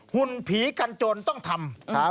หุ่นผีกันจนต้องทำ